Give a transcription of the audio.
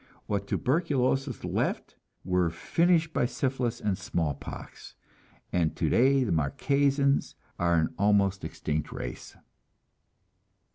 What tuberculosis left were finished by syphilis and smallpox, and today the Marquesans are an almost extinct race.